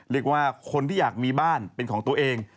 เรียกว่าคนที่อยากมีบ้านเป็นของตัวเอง